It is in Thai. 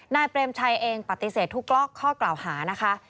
เปรมชัยเองปฏิเสธทุกข้อกล่าวหานะคะ